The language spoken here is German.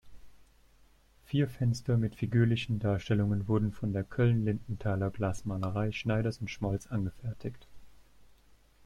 Vier Fenster mit figürlichen Darstellungen wurden von der Köln-Lindenthaler Glasmalerei Schneiders und Schmolz angefertigt.